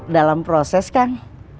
dalam proses kang